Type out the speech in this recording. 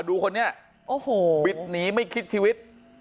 ดูคนนี้บิดหนีไม่คิดชีวิต